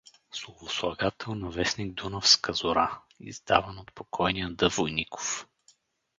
Словослагател на в. „Дунавска зора“, издаван от покойния Д. Войников.